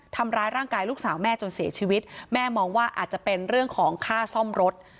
ทำร้ายร่างกายลูกสาวแม่จนเสียชีวิตแม่มองว่าอาจจะเป็นเรื่องของค่าซ่อมรถ